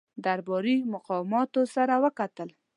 درباري مقاماتو سره وکتل.